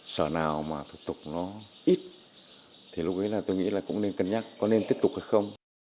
sở nào mà thủ tục nó ít thì lúc ấy là tôi nghĩ là cũng nên cân nhắc có nên tiếp tục hay không